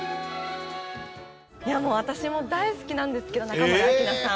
いやもう私も大好きなんですけど中森明菜さん。